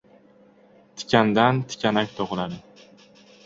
• Tikandan tikanak tug‘iladi.